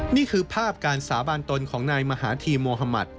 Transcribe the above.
นี่คือภาพการสาบานตนของนายมหาธีโมฮมัติ